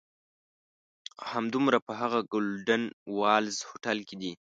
همدومره په هغه "ګولډن والز" هوټل کې دي.